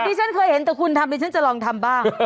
ที่ฉันเคยเห็นแต่คุณทำดิฉันจะลองทำบ้าง